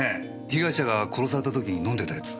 被害者が殺された時に飲んでたやつ。